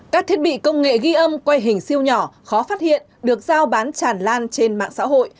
các thiết bị công nghệ ghi âm quay hình siêu nhỏ khó phát hiện được giao bán tràn lan trên mạng xã hội